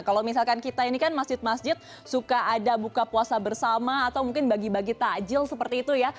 kalau misalkan kita ini kan masjid masjid suka ada buka puasa bersama atau mungkin bagi bagi takjil seperti itu ya